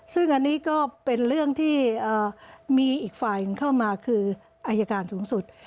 ซึ่งอันนี้ก็เป็นเรื่องที่มีอีกฝ่ายหนึ่งเข้ามาคืออายการสูงสุด